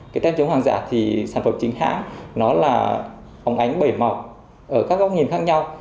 cái tem chống hàng giả thì sản phẩm chính hãng nó là phòng ánh bảy mọc ở các góc nhìn khác nhau